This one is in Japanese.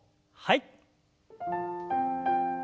はい。